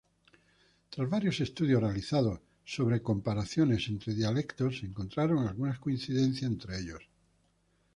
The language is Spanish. Tras varios estudios realizados sobre comparaciones entre dialectos, se encontraron algunas coincidencias entre ellos.